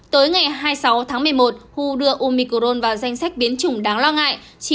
tới ngày hai mươi sáu tháng một mươi một hu đưa umicron vào danh sách biến chủng đáng lo ngại